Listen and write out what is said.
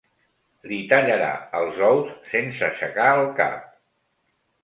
Li tallarà els ous sense aixecar el cap.